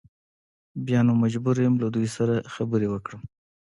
بیا نو مجبور یم له دوی سره خبرې وکړم.